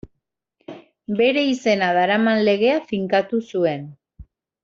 Bere izena daraman legea finkatu zuen.